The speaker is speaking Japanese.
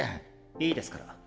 いいですから。